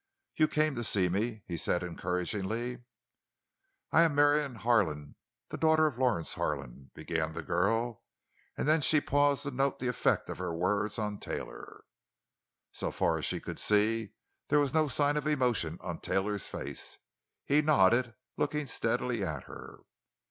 "You came to see me?" he said, encouragingly. "I am Marion Harlan, the daughter of Lawrence Harlan," began the girl. And then she paused to note the effect of her words on Taylor. So far as she could see, there was no sign of emotion on Taylor's face. He nodded, looking steadily at her.